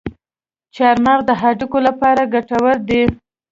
چارمغز د هډوکو لپاره ګټور دی.